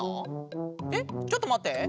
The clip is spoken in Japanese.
えっちょっとまって。